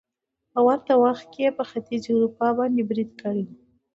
په ورته وخت کې يې په ختيځې اروپا باندې بريد کړی وو